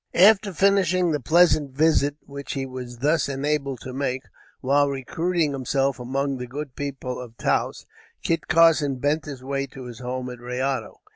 After finishing the pleasant visit which he was thus enabled to make, while recruiting himself among the good people of Taos, Kit Carson bent his way to his home at Rayado.